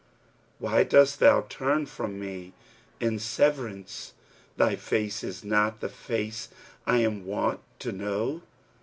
Why dost thou turn from me in severance? * Thy face is not the face I am wont to know.